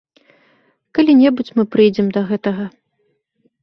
Калі-небудзь мы прыйдзем да гэтага.